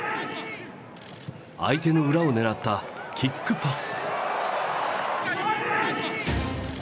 相手の裏を狙ったキックパス！